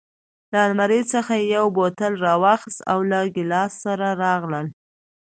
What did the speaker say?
له المارۍ څخه یې یو بوتل راواخیست او له ګیلاس سره راغلل.